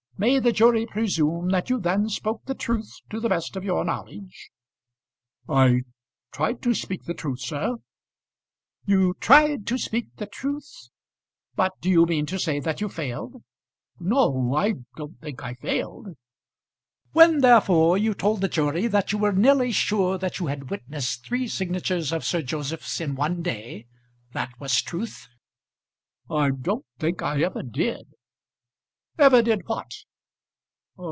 May the jury presume that you then spoke the truth to the best of your knowledge?" "I tried to speak the truth, sir." "You tried to speak the truth? But do you mean to say that you failed?" "No, I don't think I failed." "When, therefore, you told the jury that you were nearly sure that you had witnessed three signatures of Sir Joseph's in one day, that was truth?" "I don't think I ever did." "Ever did what?"